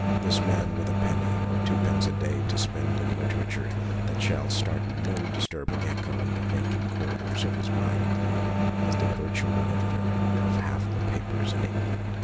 This man with a penny or twopence a 'day to spend in literature that shall start no disturbing echo in the vacant corridors of his mind is the virtual editor of half the papers in England.